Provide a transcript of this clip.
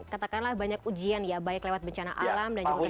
katakanlah banyak ujian ya baik lewat bencana alam dan juga bencana